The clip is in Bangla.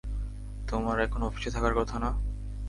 তোমার এখন অফিসে থাকার কথা না?